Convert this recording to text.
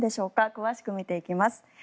詳しく見ていきます。